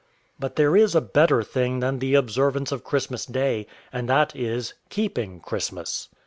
But there is a better thing than the observance of Christmas day, and that is, keeping Christmas.